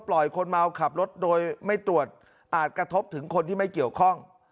คนเมาขับรถโดยไม่ตรวจอาจกระทบถึงคนที่ไม่เกี่ยวข้อง